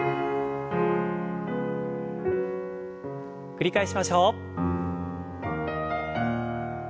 繰り返しましょう。